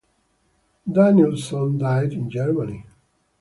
Danielsson died in Germany.